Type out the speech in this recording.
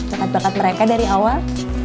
bakat bakat mereka dari awal